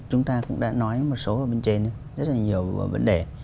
chúng ta cũng đã nói một số ở bên trên rất là nhiều vấn đề